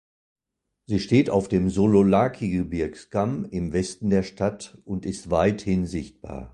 Sie steht auf dem Sololaki-Gebirgskamm im Westen der Stadt und ist weithin sichtbar.